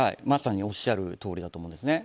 まさにおっしゃるとおりだと思います。